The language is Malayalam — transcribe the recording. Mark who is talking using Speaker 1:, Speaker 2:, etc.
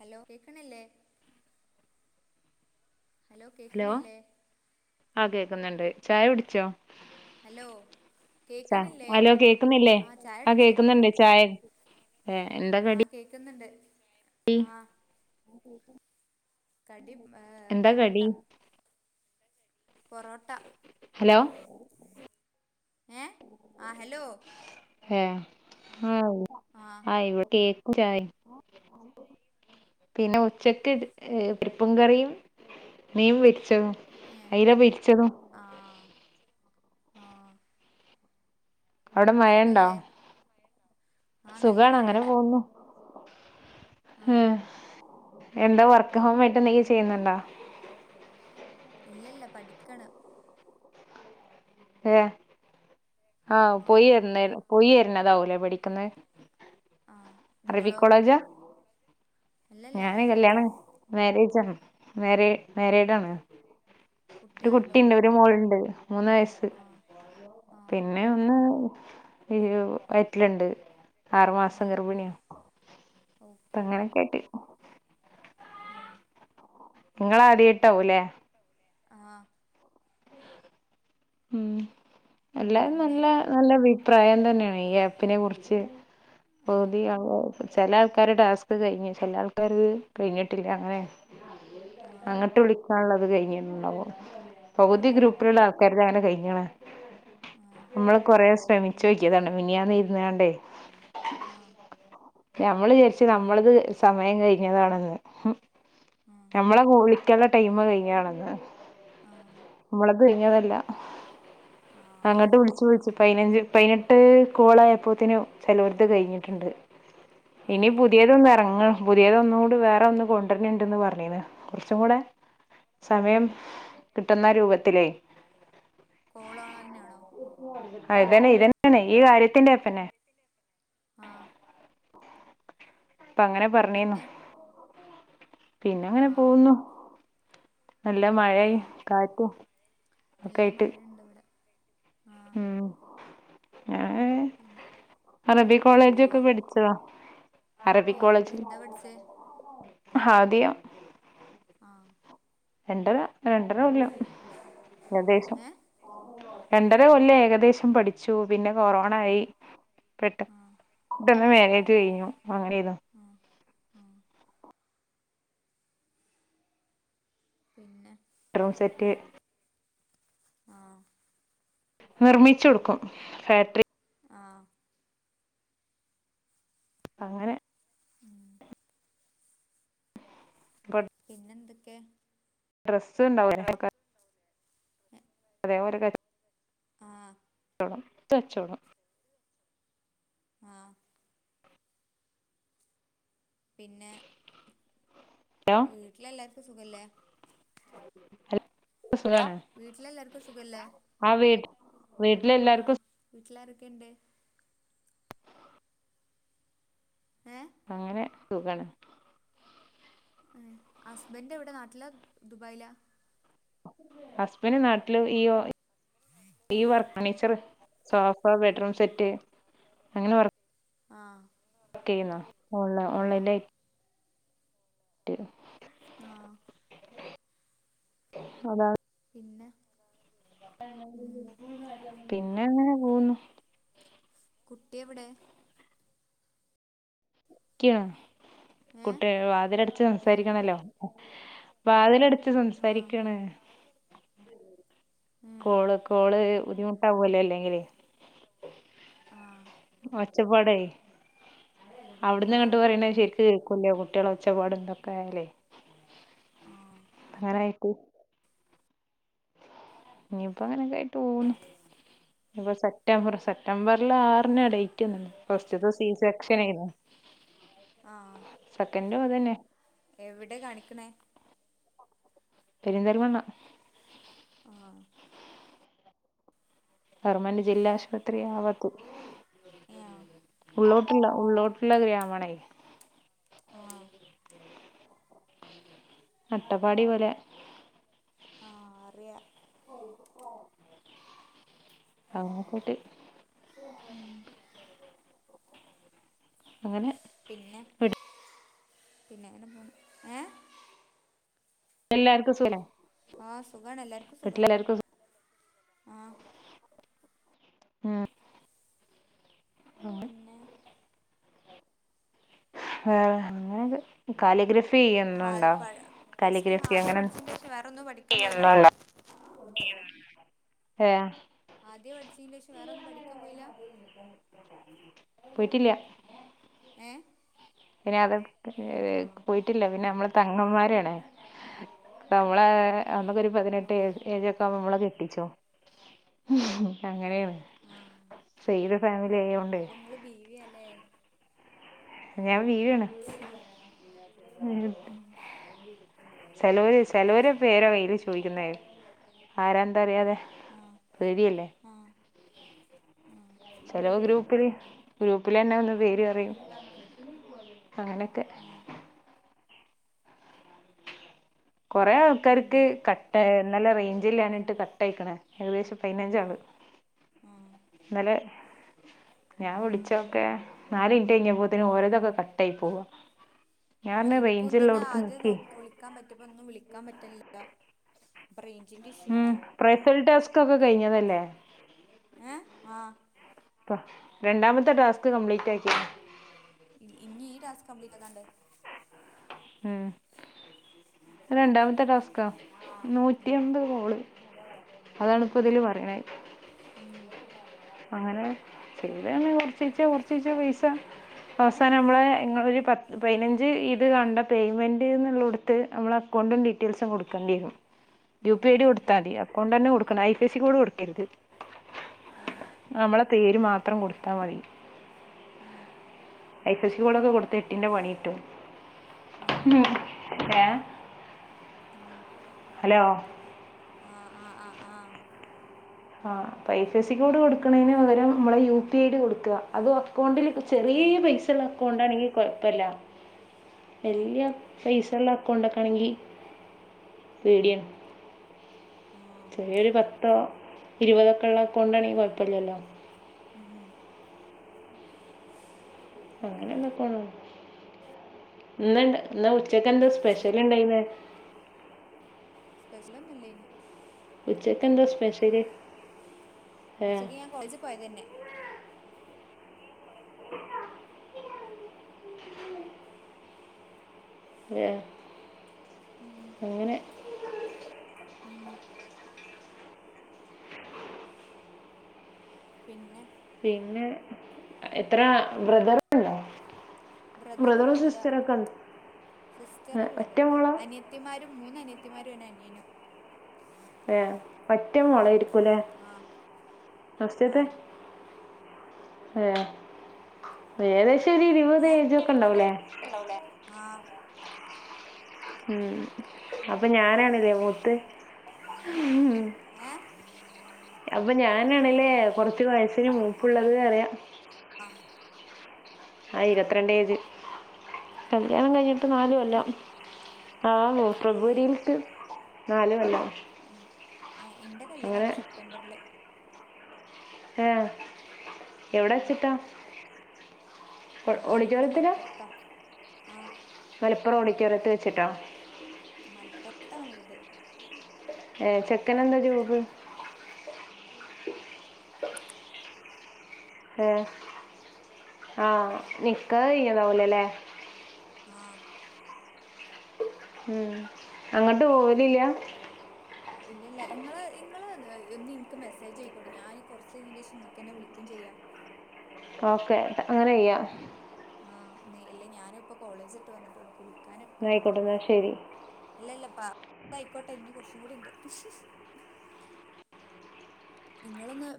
Speaker 1: ഹലോ കേക്ണില്ലേ ഹലോ കേക്ണില്ലേ
Speaker 2: ആഹ് കേക്കുന്നുണ്ട് ചായ കുടിച്ചോ
Speaker 1: ഹലോ
Speaker 2: ച്ച
Speaker 1: കേക്കണില്ലേ
Speaker 2: ഹലോ കേക്കുന്നില്ലേ
Speaker 1: ആ ചായ
Speaker 2: ആഹ്
Speaker 1: അടിച്ചു
Speaker 2: കേക്കുന്നുണ്ട് ചായക് എഹ് എന്ത
Speaker 1: കേക്ക്ന്നുണ്ട്
Speaker 2: ടി
Speaker 1: കടി പൊറോട്ട
Speaker 2: കടി
Speaker 1: പൊറോട്ട
Speaker 2: ഹലോ
Speaker 1: ഏഹ് അഹ് ഹലോ
Speaker 2: ഏഹ് ഹാലൊ
Speaker 1: ആഹ്
Speaker 2: ആഹ് ഇവിടെ കേക്കും ചായേം പിന്നെ ഉച്ചക്ക് പരിപ്പും കറിയും മീൻ പൊരിച്ചതും അയില പൊരിച്ചതും
Speaker 1: ആഹ് ആഹ്
Speaker 2: അവിടെ മഴ ഉണ്ടോ
Speaker 1: സുഖല്ലേ ആ നല്ല
Speaker 2: സുഖാണ് അങ്ങനെ
Speaker 1: മഴയാണ്
Speaker 2: പോകുന്നു
Speaker 1: ആ
Speaker 2: ഹ് എന്താ വർക്ക് ഹോം ആയിട്ട് എന്തേം ചെയ്യുന്നുണ്ടോ
Speaker 1: ഇല്ല ഇല്ല പഠിക്കാണ്
Speaker 2: ഹ്എ ആഹ്
Speaker 1: ആ
Speaker 2: പോയിര്ന്നേല് പോയിരുന്നതാവൂല്ലേ പഠിക്കുന്നേ
Speaker 1: ആഹ്
Speaker 2: അറബി കോളേജാ
Speaker 1: ഇല്ലല്ല
Speaker 2: ഞാന് കല്യാണം മാരേജ് ആണ് മാരേ
Speaker 1: ഓ
Speaker 2: മാരേഡ് ആണ് ഒരു
Speaker 1: കുട്ടികളുണ്ടോ
Speaker 2: കുട്ടിണ്ട് ഒരു മോളുണ്ട് മൂന്ന് വയസ്
Speaker 1: ആ ആ
Speaker 2: പിന്നെ ഒന്ന് ഹിയ്യോ പ്പയറ്റിലുണ്ട് ആറു മാസം
Speaker 1: ആ
Speaker 2: ഗർഭിണിയാണ്
Speaker 1: ഓക്കെ
Speaker 2: അപ്പങ്ങനെക്കെയിട്ട്
Speaker 1: ആഹ്
Speaker 2: നിങ്ങള് ആദ്യായിട്ടാവൂല്ലേ
Speaker 1: ആഹ്
Speaker 2: ഉം എല്ലാരും
Speaker 1: പിന്നെ
Speaker 2: നല്ല നല്ല അഭിപ്രായം തന്നേണ് ഈ ആപ്പിനെ കുറിച്ച്
Speaker 1: ആ
Speaker 2: പകുതി ആള് വ് ചെല ആൾക്കാര്ടെ ടാസ്ക് കെയിഞ്ഞ് ചെല ആൾക്കാര്ടെത് കെയിഞ്ഞിട്ടില്ല അങ്ങനേണ്
Speaker 1: ആ
Speaker 2: അങ്ങട്ട് വിളിക്കാനുള്ളത് കെഴിഞ്ഞിട്ടുണ്ടാവും
Speaker 1: ആ
Speaker 2: പകുതി ഗ്രൂപ്പിലുള്ള ആള് ക്കാര്ത് അങ്ങനെ കൈഞ്ഞ്ണ്
Speaker 1: ആ
Speaker 2: മ്മള് കൊറേ ശ്രമിച്ചു നോക്കിയതാണ് മിനിഞ്ഞാന്ന് ഇരുന്നാണ്ടേ
Speaker 1: ആഹ്
Speaker 2: ഞമ്മള് വിചാരിച്ചും നമ്മളത് സമയം കഴിഞ്ഞതാണെന്ന് ഉം
Speaker 1: ആ
Speaker 2: നമ്മളെ വിളിക്കാനുള്ള ടൈമ് കഴിഞ്ഞതാണെന്ന്
Speaker 1: ആ
Speaker 2: നമ്മളത് കഴിഞ്ഞ ല്ല
Speaker 1: ആഹ്
Speaker 2: അങ്ങട്ട് വിളിച്ചു വിളിച്ചു പയ്നഞ്ച് പയ്നെട്ട് കോളായപ്പോത്തേനും ചെലോര്ത് കഴിഞ്ഞിട്ടുണ്ട്
Speaker 1: ആ
Speaker 2: ഇനി പുതിയതൊന്ന് എറങ്ങ് പുതിയത് ഒന്ന് കൂടി വേറെ ഒന്ന് കൊണ്ടര്ണ് ണ്ട്ന്ന് പർഞ്ഞീണ് കുറച്ചും കൂടെ സമയം കിട്ടുന്ന രൂപത്തിലേ
Speaker 1: കോളോളെന്നെണോ ! ! ! ! ! ! ! ! ! ! ആഹ്
Speaker 2: പ്പൊ അങ്ങനെ പറഞ്ഞീന്നു
Speaker 1: പിന്നെ
Speaker 2: പിന്നെ
Speaker 1: ആ
Speaker 2: അങ്ങനെ പോഉന്നു നല്ല
Speaker 1: ആ
Speaker 2: മഴയും കാറ്റും ഒക്കെയിട്ട്
Speaker 1: ണ്ട് വിടെ ആഹ
Speaker 2: ഉം ഞാന്
Speaker 1: പിന്നെ
Speaker 2: അറബി
Speaker 1: മോ
Speaker 2: കോളേജൊക്കെ പഠിച്ചതാ അറബി
Speaker 1: ഏ എന്താ പഠിച്ചേ
Speaker 2: ഹദിയ
Speaker 1: ആഹ്
Speaker 2: രണ്ടര രണ്ടരല്ല കൊല്ലം ഏകദേശം
Speaker 1: ഏ
Speaker 2: രണ്ടര കൊല്ലം ഏകദേശം പഠിച്ചു പിന്നെ കൊറോണ ആയി പെട്ട
Speaker 1: ആ
Speaker 2: പെട്ടെന്ന് മാര്യേജ് കഴിഞ്ഞു അങ്ങനെ ചെയ്‌ത
Speaker 1: ആ ആ പിന്നെ
Speaker 2: ഗ്രൂ സെറ്റ്
Speaker 1: ആഹ്
Speaker 2: നിർമ്മിച്ചു കൊടുക്കും ഫാക്ടറി
Speaker 1: ആഹ്
Speaker 2: അങ്ങനെ
Speaker 1: മ്മ്
Speaker 2: [unintelligible]
Speaker 1: പിന്നെന്തൊക്കെ
Speaker 2: ഡ്രസ്സ് ഉണ്ടാവും അതെ ഒരു ക
Speaker 1: ആഹ്
Speaker 2: വെണം തച്ചോണം
Speaker 1: ആഹ് പിന്നെ വീട്ടില എല്ലാവർക്കും സുഖല്ലേ
Speaker 2: ഹലോ
Speaker 1: ഹലോ
Speaker 2: സുഖാണ്
Speaker 1: വീട്ടിൽ എല്ലാവർക്കും സുഖല്ലേ
Speaker 2: ആ വീട്ടി വീട്ടിൽ എല്ലാവർക്കും
Speaker 1: വീട്ടിലാരൊക്കെയുണ്ട് ഏഹ്
Speaker 2: അങ്ങനെ സുഖാണ്
Speaker 1: ഏഹ് ഹസ്ബന്റ് എവിടെ നാട്ടിലാ ദുബായിലാ
Speaker 2: ഹസ്ബൻറ് നാട്ടില് ഈ ഈ work furniture sofa bedroom set അങ്ങനെ വ
Speaker 1: ആഹ്
Speaker 2: ചെയ്യ ഓ ഓൺലൈൻ
Speaker 1: ആഹ്
Speaker 2: [unintelligible]
Speaker 1: ആഹ്
Speaker 2: അതാണ്
Speaker 1: പിന്നെ ഉം
Speaker 2: പിന്നെ അങ്ങനെ പോവുന്നു
Speaker 1: കുട്ടി എവിടെ ഏ
Speaker 2: കുട്ട വാതിലടച്ച്
Speaker 1: ഏ
Speaker 2: സംസാരിക്കണല്ലോ വാതില
Speaker 1: ആഹ്
Speaker 2: സംസാരിക്കാണ്
Speaker 1: ഏ
Speaker 2: കോള് കോള് ബുദ്ധിമുട്ടാവല്ലോ അല്ലെങ്കില്
Speaker 1: ആഹ്
Speaker 2: ഒച്ചപ്പാടായി അവിടന്ന് അങ്ങട്ട്
Speaker 1: ആഹ്
Speaker 2: പറയണത് ശരി കേൾക്കില്ല കുട്ടികളെ ഒച്ചപ്പാടൊക്കെ ആയാലേ
Speaker 1: ആഹ്
Speaker 2: അങ്ങനായപ്പോ ഇയിപ്പ അങ്ങനെയൊക്കെ ആയിട്ട്
Speaker 1: ഏ
Speaker 2: പോന്നുന്നു ഇപ്പൊ സെപ്റ്റ സെപ്റ്റംബറിൽ ആറിന ഡേറ്റ് ഒന്ന ഫസ്റ്റ്ത്തെ ദിവസം ഇൻജെക്ഷൻ ആയിനും
Speaker 1: ആഹ്
Speaker 2: അതന്നെ
Speaker 1: എവിടെ കാണിക്കണേ
Speaker 2: പെരിന്തൽമണ്ണ
Speaker 1: ആഹ്
Speaker 2: ഗവർമെന്റ് ജില്ലാ ആശുപത്രി ആവാത്ത
Speaker 1: ഏ ആഹ്
Speaker 2: ഉള്ളോട്ടുള്ള ഉള്ളോട്ടുള്ള ഗ്രാമണേ
Speaker 1: ആഹ്
Speaker 2: അട്ടപ്പാടി പോലെ
Speaker 1: ആഹ് അറിയാ
Speaker 2: [inaudible] അതുടെ കൂട്ടി
Speaker 1: ഉം
Speaker 2: അങ്ങനെ
Speaker 1: പിന്നെ പിന്നെങ്ങനെ പോന്നു ഏഹ്
Speaker 2: എല്ലാർക്കും സുഖല്ലേ
Speaker 1: ആഹ് സുഖാണ് എല്ലർക്കും സുഖാ
Speaker 2: വീട്ടിലെല്ലാർക്കും
Speaker 1: ആഹ്
Speaker 2: ആഹ്
Speaker 1: പിന്നെ
Speaker 2: [unintelligible] കാലിഗ്രഫി
Speaker 1: ഹായ്
Speaker 2: ചെയ്യൂന്നുണ്ടോ
Speaker 1: പ പ്ലസ് ടു
Speaker 2: കാലിഗ്രഫി
Speaker 1: ഹാദ്യ
Speaker 2: അങ്ങനെ
Speaker 1: പഠിച്ചതിന്റെ ശേഷം വേറൊന്നും പഠിക്കാൻ പോയില്ല
Speaker 2: ഏഹ്
Speaker 1: ആദ്യ പഠിച്ചതിന് ശേഷം വേറെന്നും പഠിക്കാൻ പോയില്ലാ
Speaker 2: [inaudible] പോയിട്ടില്ല
Speaker 1: ഏഹ്
Speaker 2: പിന്നെ അത്
Speaker 1: ആഹ്
Speaker 2: പോയി ട്ടില്ല പിന്നെ നമ്മള് പെങ്ങന്മാരാണ് നമ്മള നമ്മക്ക് ഒരു പതിനെട്ട്
Speaker 1: ഓ
Speaker 2: ഏജ്
Speaker 1: ഓ
Speaker 2: ഏജ് ഒക്കെആകുമ്പോ നമ്മളെ കെട്ടിച്ചും അങ്ങനെയാണ് സയ്ദ് ഫാമിലി ആയോണ്ടെ
Speaker 1: നിങ്ങള് ബീവിയാ അല്ലേ
Speaker 2: ഞാൻ ബീവി ആണ്
Speaker 1: [inaudible]
Speaker 2: ഉം ചെലോര് ചെലോര് വേറെ വേയിൽ ചോദിക്കുന്നായി ആരാന്താ അറിയാതെ
Speaker 1: ആഹ്
Speaker 2: ബീവിഅല്ലേ
Speaker 1: ആഹ് ആഹ്
Speaker 2: ചെലോ ഗ്രൂപ്പില് ഗ്രൂപ്പിൽ തന്നെ വന്ന് പേര് പറയും അങ്ങനൊക്കെ
Speaker 1: ആഹ്
Speaker 2: കൊറെ ആൾക്കാർക്ക്
Speaker 1: പിന്നെ
Speaker 2: കട്ട് ഇന്നലെ റേഞ്ച്‌ല്ലാഞ്ഞിട്ട് കട്ട് അയ്ക്കണ് ഏകദേശം പതിനഞ്ച്
Speaker 1: ആഹ്
Speaker 2: ആള്
Speaker 1: ആഹ്
Speaker 2: ഇന്നലെ ഞാൻ വിളിച്ചൊക്കെ നാല് മിനിറ്റ് കഴിഞ്ഞപ്പോത്തേന് ഓരോതൊക്കെ കട്ട് ആയി പോവാ ഞാൻ
Speaker 1: ആഹ്
Speaker 2: പറഞ്ഞ്
Speaker 1: എനിക്ക് അതന്നെ
Speaker 2: റേഞ്ചിള്ളോടത്ത്
Speaker 1: ആദ്യം
Speaker 2: നിക്ക്
Speaker 1: നോക്ക് വിളിക്കാൻ പറ്റപ്പോ ഒന്നും വിളിക്കാൻ പറ്റില്ല അപ്പൊ റേഞ്ച്
Speaker 2: ഉം [unintelligible] ഒക്കെ കഴിഞ്ഞതല്ലേ
Speaker 1: ഏഹ് ആഹ്
Speaker 2: രണ്ടാമത്തെ ടാസ്ക് കംപ്ലീറ്റ് ആക്കി
Speaker 1: ഇനി ഈ ടാസ്ക് കംപ്ലീറ്റ് ആക്കാനുണ്ട്
Speaker 2: ഉം രണ്ടാമത്തെ ടാസ്കാ നൂറ്റി
Speaker 1: ആ
Speaker 2: എമ്പത് കോള് അതാണിപ്പോ ഇതില് പറയണ
Speaker 1: ഉം
Speaker 2: അങ്ങനെ ചെയ്തന്ന കൊറച്ചീച്ച കൊറച്ചീച്ച പൈസ അവസാനം നമ്മള് ഇങ്ങനെ ഒരു പത്ത് പതിനഞ്ച് ഇത് കണ്ട പേയ്മെൻ്റ് എന്നുള്ളടത്ത് നമ്മൾ അക്കൗണ്ടും ഡീറ്റെയിൽസും കൊടുക്കേണ്ടീനും യു
Speaker 1: ആ
Speaker 2: പി ഐ ഡി കൊടുത്താതി അക്കൗണ്ട് തന്നെ കൊടുക്കണം I P I C code കൊടുക്കരുത്
Speaker 1: ആഹ്
Speaker 2: അമ്മള പേര് മാത്രം കൊടുത്താ മതി
Speaker 1: ഉം
Speaker 2: ഐ ഫശി കോളൊക്കെ കൊടുത്ത എട്ടിന്റെ പണിട്ടും
Speaker 1: ഉം
Speaker 2: ഏഹ്
Speaker 1: ആഹ്
Speaker 2: ഹലോ
Speaker 1: ആഹ് ആഹ് ആഹ് ആഹ്
Speaker 2: ആഹ് ഫൈ ഫ എസ് സി കോഡ് കൊടുക്കുണെയ്ന് പകരം നമ്മളെ യു പി ഐഡി കൊടുക്ക അത് അക്കൗണ്ടിൽ
Speaker 1: ആ ആ
Speaker 2: ചെറിയ പൈസള്ളക്ക കൊണ്ടാണെങ്കി കുഴപല്ല
Speaker 1: ആ
Speaker 2: വല്യ പൈസ ഉള്ള അക്കൗണ്ടൊക്കെ ആണെങ്കി പേടിയാണ്
Speaker 1: ഉം
Speaker 2: ചെറിയൊരു പത്തോ ഇരുപതൊക്കെ ഉള്ള കൊണ്ടാണെങ്കിൽ കുഴപ്പല്ലല്ലോ
Speaker 1: ഉം ഉം
Speaker 2: അങ്ങനെണ്ടാക്കോണോ ഇന്ന ഇന്ന് ഉച്ചക്ക് എന്താ
Speaker 1: പിന്നെ
Speaker 2: സ്പെഷ്യൽ ഇണ്ടായിന്നേ
Speaker 1: സ്പെഷലൊന്നും ഇല്ലെന്‌
Speaker 2: ഉച്ചക്ക് എന്താ സ്പെഷ്യല്
Speaker 1: ഉച്ചക്ക് ഞാൻ കോളേജ് പോയ തന്നെ
Speaker 2: എഹ് അങ്ങനെ
Speaker 1: ഉം പിന്നെ
Speaker 2: പിന്നെ എത്ര ബ്രദറല്ലോ
Speaker 1: ബ്രദറൊന്നുല്ല
Speaker 2: ഏ,
Speaker 1: സിസ്റ്ററാള്ളത്
Speaker 2: ഒറ്റ മോളോ
Speaker 1: അനി ത്തിമാരും മൂന്നനിയത്തിമാരും ഒര് അനിയനും
Speaker 2: ഏഹ് ഒറ്റ മോളയിരിക്കൂല്ലേ
Speaker 1: ആ ആ
Speaker 2: ഫസ്റ്റ്ത്തെ ഏഹ് ഏകദേശം ഒരു ഇരുപത് ഏജോക്കെ ഉണ്ടാവൂലേ
Speaker 1: ആഹ്
Speaker 2: ഉം അപ്പൊ ഞാനാണല്ലേ മൂത്തേ ഉം
Speaker 1: ഏ
Speaker 2: അപ്പൊ ഞാനാണല്ലേ കുറച്ച് വയസ്സിന് മൂപ്പുള്ളത് പറയാ
Speaker 1: അഹ്
Speaker 2: ആഹ് ഇരുപത്തിരണ്ടേജ് കല്യാണം കഴിഞ് ഇപ്പൊ നാല് കൊല്ലം ആഹ്
Speaker 1: ഏ
Speaker 2: ഫെബ്രുവരിയിലേക്ക് നാല് കൊല്ലം
Speaker 1: എന്റെ
Speaker 2: അങ്ങനെ
Speaker 1: കല്ല്യാണണ് സെപ്റ്റംബറില്
Speaker 2: എഹ്
Speaker 1: ഉം
Speaker 2: എവിടെച്ചിട്ടാ
Speaker 1: ഞാനിവിടെ മലപ്പുറത്താ ആഹ്
Speaker 2: മലപ്പുറ ഓഡിറ്റോറിയത്ത് വെച്ചിട്ടോ
Speaker 1: മലപ്പുറത്താവീട്
Speaker 2: ഏഹ് ചെക്കനന്താ ജോബ്
Speaker 1: [unintelligible]
Speaker 2: ഏഹ് ആഹ് നിക്കാഹ് അയ്ഞതാഊലലേ
Speaker 1: ആഹ്
Speaker 2: ഉം അങ്ങട്ട് പോവലില്ല
Speaker 1: ഇല്ലല്ല ഇങ്ങളെ ഇങ്ങള് ഒന്ന് ഇൻക്ക് മെസ്സേജ് അയ്ക്കോണ്ടി ഞാന് കൊർചെയ്നിന്റെഷം ങ്ങക്ക്ന്നെ വിളിക്കും ചെയ്യാം
Speaker 2: ഓക്കെ അങ്ങനെയ്യാ
Speaker 1: ആഹ് ന്നേ ഇല്ലേ ഞാന്പ്പൊ കോളേജ്ട്ട് വന്നിട്ടുള്ളു കുളിക്കാനൊക്കെണ്ട്
Speaker 2: ആയിക്കോട്ടെ എന്നാ ശരി
Speaker 1: ഇല്ല ഇല്ല പ പ്പയിക്കോട്ടെ ഇനി കുറച്ചും കൂടി ഇണ്ട് ഇങ്ങളൊന്ന്